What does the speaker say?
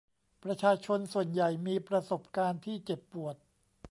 ประชาชนส่วนใหญ่มีประสบการณ์ที่เจ็บปวด